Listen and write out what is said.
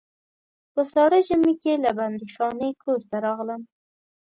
په ساړه ژمي کې له بندیخانې کور ته راغلم.